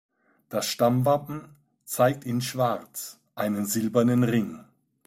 Das Stammwappen zeigt in Schwarz einen silbernen Ring.